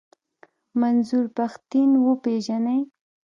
منظور پښتين و پېژنئ.